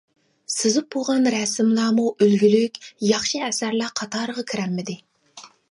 سىزىپ بولغان رەسىملەرمۇ ئۈلگىلىك، ياخشى ئەسەرلەر قاتارىغا كىرەلمىدى.